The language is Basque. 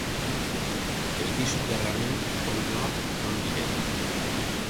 Ez dizut erranen onddoak non diren.